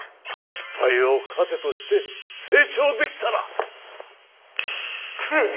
失敗を糧として成長できたらトレビアン。